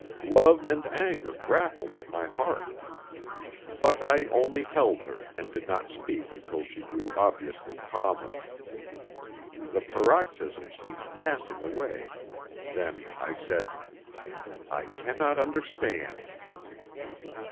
Love and anger grappled at my heart. But I only held her, and did not speak until she grew obviously calmer. The paroxysm seemed passing away. Then I said: "I cannot understand."